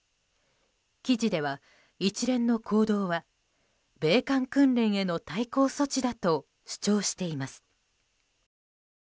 記事では一連の行動は米韓訓練への対抗措置だと主張しています。